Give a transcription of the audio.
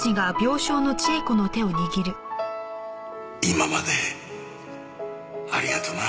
今までありがとな。